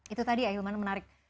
itu tadi ya ahilman menarik